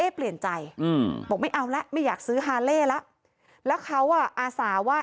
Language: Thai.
เปลี่ยนใจอืมบอกไม่เอาแล้วไม่อยากซื้อฮาเล่แล้วแล้วเขาอ่ะอาสาว่า